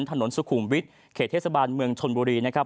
ถนนสุขุมวิทย์เขตเทศบาลเมืองชนบุรีนะครับ